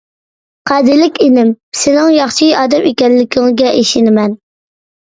قەدىرلىك ئىنىم، سېنىڭ ياخشى ئادەم ئىكەنلىكىڭگە ئىشىنىمەن.